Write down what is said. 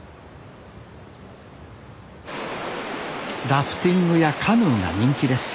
ラフティングやカヌーが人気です